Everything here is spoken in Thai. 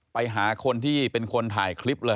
ไปหาคนที่เป็นคนถ่ายคลิปเลย